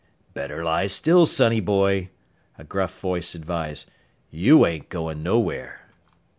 "Better lie still, sonny boy," a gruff voice advised. "You ain't goin' nowhere."